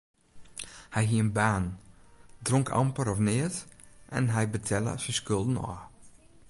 Hy hie in baan, dronk amper of neat en hy betelle syn skulden ôf.